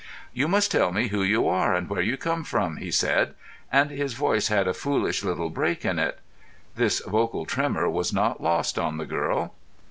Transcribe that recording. "You must tell me who you are, and where you come from," he said, and his voice had a foolish little break in it. This vocal tremor was not lost on the girl.